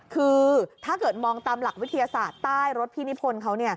คือถ้าเกิดมองตามหลักวิทยาศาสตร์ใต้รถพี่นิพนธ์เขา